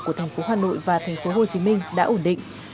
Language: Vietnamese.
của tp hcm và tp hcm đã ổn định